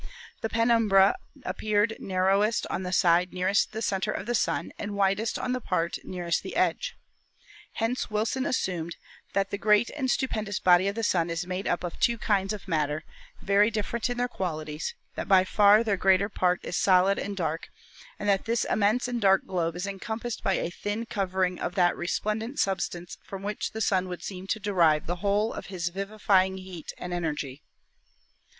The penumbra appeared narrow est on the side nearest the center of the Sun and widest on the part nearest the edge. Hence Wilson assumed "that the great and stupendous body of the Sun is made up of two kinds of matter, very different in their qualities, that by far their greater part is solid and dark, and that this immense and dark globe is encompassed by a thin cover ing of that resplendent substance from which the Sun would seem to derive the whole of his vivifying heat and energy."